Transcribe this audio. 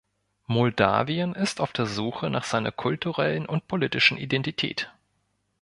Moldawien ist auf der Suche nach seiner kulturellen und politischen Identität.